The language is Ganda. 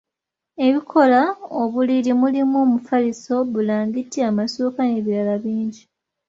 Ebikola obuliri mulimu omufaliso, bulangiti, amasuuka n'ebirala bingi.